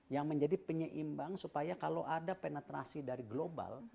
yang menjadi penyeimbang supaya kalau ada penetrasi dari global